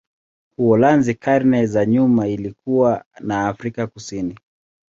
Uholanzi karne za nyuma ilikuwa na Afrika Kusini.